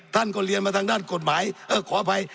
ท่านก็เรียนมาทางด้านกฎหมายเออขออภัย